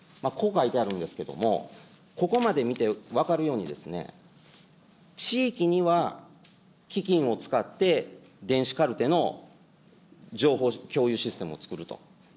こう書いてあるんですけれども、ここまで見て分かるようにですね、地域には基金を使って電子カルテの情報共有システムを作ると。